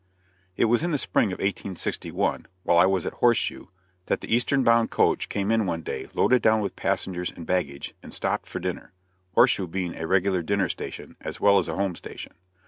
It was in the spring of 1861, while I was at Horseshoe, that the eastern bound coach came in one day loaded down with passengers and baggage, and stopped for dinner; Horseshoe being a regular dinner station as well as a home station.